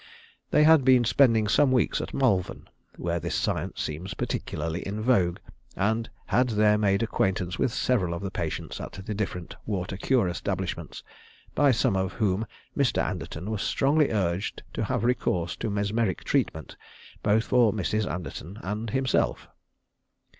They had been spending some weeks at Malvern, where this science seems particularly in vogue, and had there made acquaintance with several of the patients at the different water cure establishments, by some of whom Mr. Anderton was strongly urged to have recourse to mesmeric treatment both for Mrs. Anderton and himself.